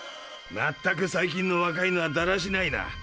まったく最近の若いのはだらしないな。